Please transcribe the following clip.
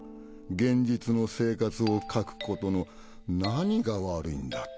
「現実の生活を描くことの何が悪いんだ！」